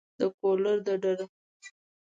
د کولر ډراو شارټکټونه وخت سپموي.